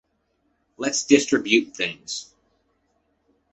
Let’s distribute things.